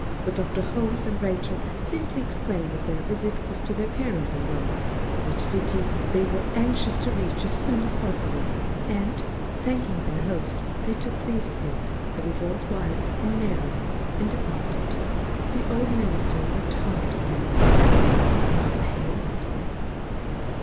But Dr. Holmes and Rachel simply explained that their visit was to their parents in London, which city they were anxious to reach as soon as possible, and, thanking their host, they took leave of him, of his old wife, and Marian, and departed. The old minister looked hard at Marian. "You are pale, my dear.